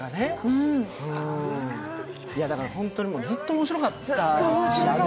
本当にずっと面白かったですよ。